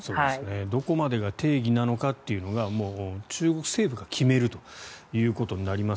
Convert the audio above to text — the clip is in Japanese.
どこまでが定義なのかというのがもう、中国政府が決めるということになります。